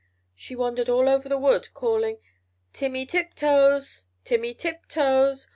She wandered all over the wood, calling "Timmy Tiptoes! Timmy Tiptoes!